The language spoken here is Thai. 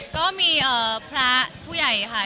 ก็มีพระผู้ใหญ่ค่ะ